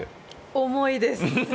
重いです。